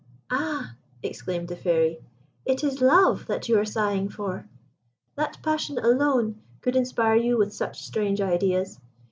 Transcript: "Ah!" exclaimed the Fairy, "it is love that you are sighing for. That passion alone could inspire you with such strange ideas.